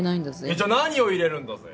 えっじゃあ何を入れるんだＺＥ？